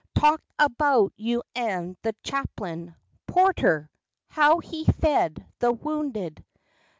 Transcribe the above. Talked about you an' the chaplin— Porter! how he fed the wounded.